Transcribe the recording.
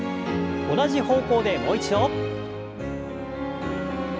同じ方向でもう一度。